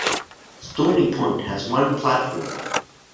Stony Point has one platform.